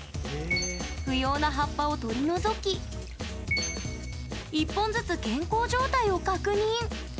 不要な葉っぱを取り除き１本ずつ健康状態を確認。